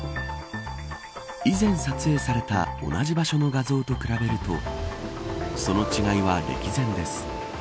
以前撮影された同じ場所の画像と比べるとその違いは歴然です。